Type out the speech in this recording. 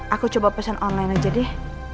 aku coba pesen online aja deh